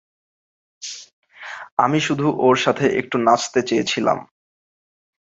আমি শুধু ওর সাথে একটু নাচতে চেয়েছিলাম।